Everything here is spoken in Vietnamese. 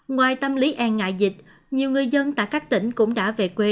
ngoài tâm lý e ngại dịch nhiều người dân tại các tỉnh cũng đã về quê